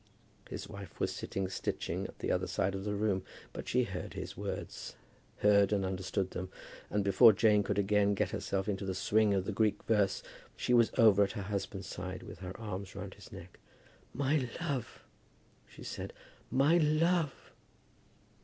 His wife was sitting stitching at the other side of the room; but she heard his words, heard and understood them; and before Jane could again get herself into the swing of the Greek verse, she was over at her husband's side, with her arms round his neck. "My love!" she said. "My love!"